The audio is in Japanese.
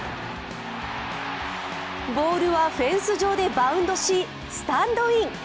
ボールはフェンス上でバウンドし、スタンドイン。